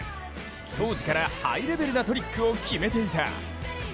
当時からハイレベルなトリックを決めていた。